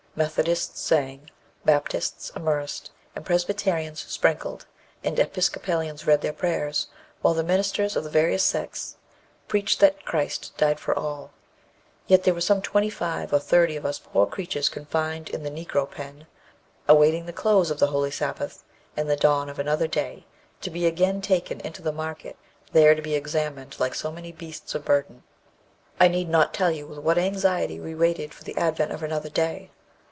Methodists sang, and Baptists immersed, and Presbyterians sprinkled, and Episcopalians read their prayers, while the ministers of the various sects preached that Christ died for all; yet there were some twenty five or thirty of us poor creatures confined in the 'Negro Pen,' awaiting the close of the holy Sabbath, and the dawn of another day, to be again taken into the market, there to be examined like so many beasts of burden. I need not tell you with what anxiety we waited for the advent of another day.